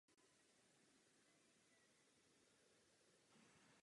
Ve skutečnosti byl tento voják během masakru afghánské rodiny tajně vysazen v dané lokalitě.